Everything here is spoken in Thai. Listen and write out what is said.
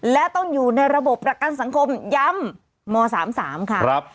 และต้องอยู่ในระบบประกันสังคมย้ำม๓๓ค่ะ